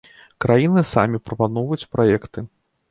Краіны самі прапаноўваюць праекты.